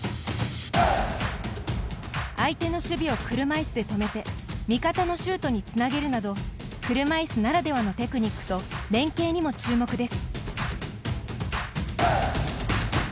相手の守備を車いすで止めて味方のシュートにつなげるなど車いすならではのテクニックと連係にも注目です。